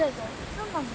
そうなの？